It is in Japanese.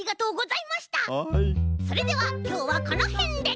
それではきょうはこのへんで。